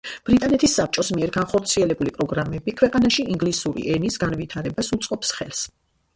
ბრიტანეთის საბჭოს მიერ განხორციელებული პროგრამები ქვეყანაში ინგლისური ენის განვითარებას უწყობს ხელს.